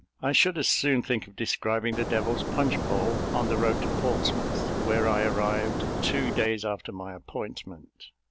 I should as soon think of describing the Devil's Punch Bowl, on the road to Portsmouth, where I arrived two days after my appointment.